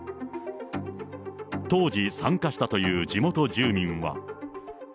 当時、参加したという地元住民は。